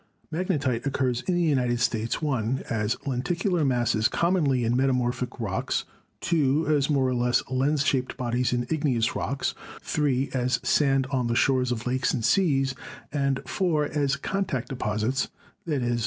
Magnetite occurs in the United States (1) as lenticular masses commonly in metamorphic rocks; (2) as more or less lens shaped bodies in igneous rocks; (3) as sands on the shores of lakes and seas; and (4) as contact deposits — i.e.